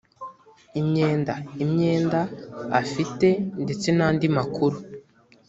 imyenda imyenda afite ndetse n andi makuru